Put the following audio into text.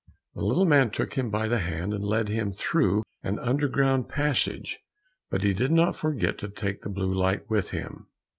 The little man took him by the hand, and led him through an underground passage, but he did not forget to take the blue light with him.